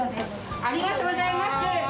ありがとうございます。